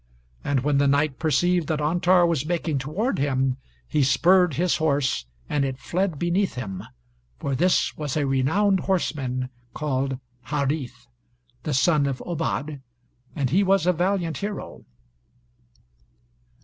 And when the knight perceived that Antar was making toward him, he spurred his horse and it fled beneath him; for this was a renowned horseman called Harith, the son of Obad, and he was a valiant hero.